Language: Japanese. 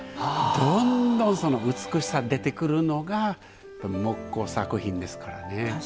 どんどん美しさ出てくるのが木工作品ですからね。